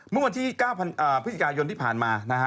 เมื่อวันที่๙พฤศจิกายนที่ผ่านมานะฮะ